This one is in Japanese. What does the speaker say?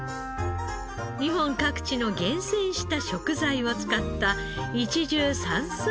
日本各地の厳選した食材を使った一汁三菜のランチが人気です。